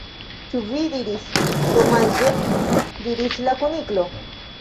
"Ĉu vi diris 'Domaĝe'?" diris la Kuniklo.